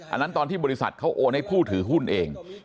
อันนั้นตอนที่บริษัทเขาโอนให้ผู้ถือหุ้นเอง